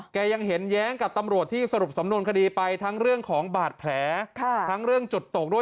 ยังเห็นแย้งกับตำรวจที่สรุปสำนวนคดีไปทั้งเรื่องของบาดแผลทั้งเรื่องจุดตกด้วย